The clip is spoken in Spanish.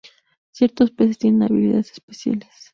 Ciertos peces tienen habilidades especiales.